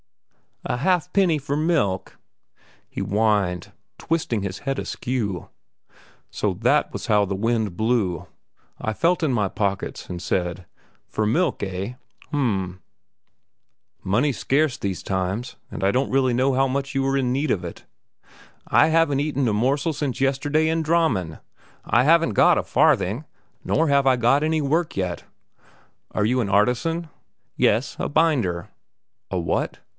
"A halfpenny for milk!" he whined, twisting his head askew. So that was how the wind blew. I felt in my pockets and said: "For milk, eh? Hum m money's scarce these times, and I don't really know how much you are in need of it." "I haven't eaten a morsel since yesterday in Drammen; I haven't got a farthing, nor have I got any work yet!" "Are you an artisan?" "Yes; a binder." "A what?"